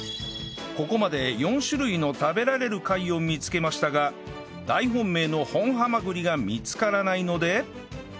ここまで４種類の食べられる貝を見つけましたが大本命の本ハマグリが見つからないので